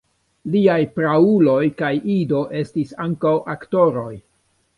Liaj prauloj kaj ido estis ankaŭ aktoroj.